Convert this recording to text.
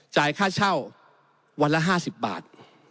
จ่ายค่าเช่าวันละ๕๐บาท